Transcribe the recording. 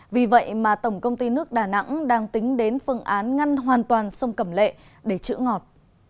vì vậy mà tổng công ty nước đà nẵng đang tính đến phương án ngăn hoàn toàn sông cẩm lệ để chữa ngọt